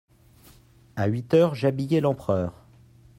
À huit heures j'habillais l'empereur.